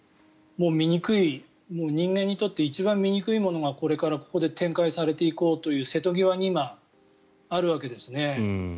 人間にとって一番醜いものがこれからここで展開されていこうという瀬戸際に今、あるわけですね。